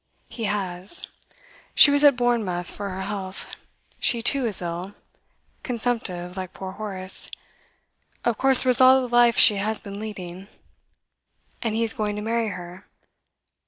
'He has. She was at Bournemouth for her health. She, too, is ill; consumptive, like poor Horace, of course a result of the life she has been leading. And he is going to marry her.